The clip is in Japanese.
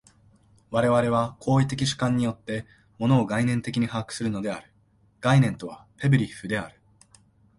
我々は行為的直観によって、物を概念的に把握するのである（概念とはベグリッフである）。